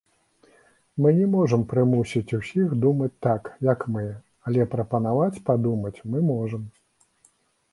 Мы не можам прымусіць усіх думаць так, як мы, але прапанаваць падумаць мы можам.